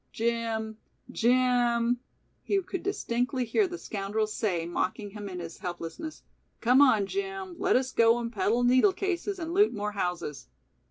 "Jim, Jim," he could distinctly hear the scoundrel say mocking him in his helplessness, "come on, Jim, let us go and peddle needle cases and loot more houses."